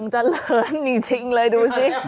เจริญจริงเลยดูสิ